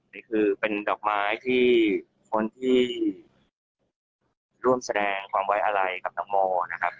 นี่คือเป็นดอกไม้ที่คนที่ร่วมแสดงความไว้อะไรกับตังโมนะครับ